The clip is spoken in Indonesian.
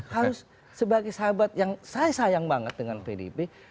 harus sebagai sahabat yang saya sayang banget dengan pdip